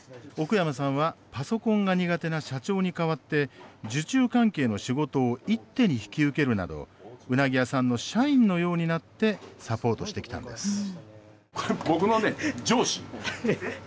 奥山さんはパソコンが苦手な社長に代わって受注関係の仕事を一手に引き受けるなど、うなぎ屋さんの社員のようになってサポートしてきたんです。